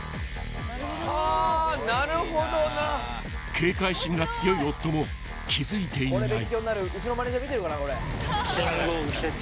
［警戒心が強い夫も気付いていない］